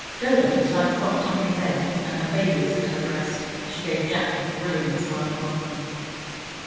Dodo was lying propped up in bed, and her baby was at her breast. She gave Jack a brilliant smile of welcome.